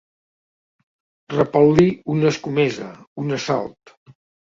Repel·lir una escomesa, un assalt.